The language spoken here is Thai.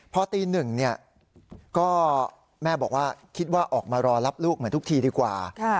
พอตีหนึ่งก็แม่บอกว่าคิดว่าออกมารอรับลูกเหมือนทุกทีดีกว่า